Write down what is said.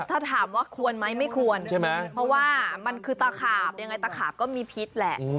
ถ้าถามว่าควรไหมไม่ควรใช่ไหมเพราะว่ามันคือตะขาบยังไงตะขาบก็มีพิษแหละ